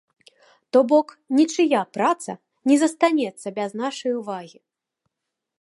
То бок, нічыя праца не застанецца без нашай увагі.